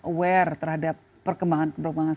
aware terhadap perkembangan